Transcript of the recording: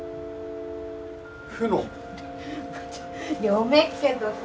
読めっけどさ。